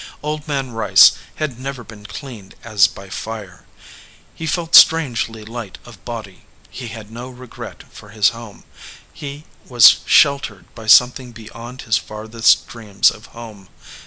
Old Man Rice had never been cleaned as by fire. He felt strangely light of body. He had no regret for his home. He was sheltered by something beyond his farthest dreams of home.